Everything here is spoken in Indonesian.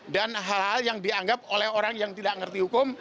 dan hal hal yang dianggap oleh orang yang tidak ngerti hukum